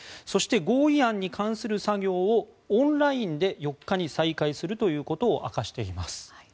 そして合意案に関する作業をオンラインで４日に再開するということを明かしています。